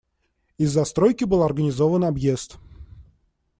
Из-за стройки был организован объезд.